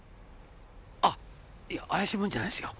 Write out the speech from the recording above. あいや怪しいもんじゃないですよ。